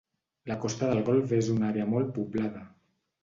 La costa del golf és una àrea molt poblada.